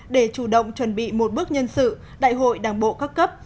để chủ động chuẩn bị một bước nhân sự đại hội đảng bộ các cấp